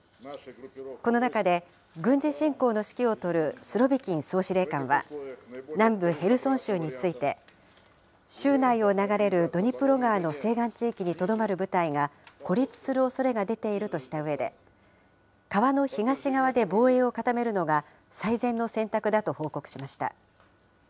この中で、軍事侵攻の指揮を執るスロビキン総司令官は南部ヘルソン州について、州内を流れるドニプロ川の西岸地域にとどまる部隊が、孤立するおそれが出ているとしたうえで、川の東側で防衛を固めるのが、最善の選択だと報告しました。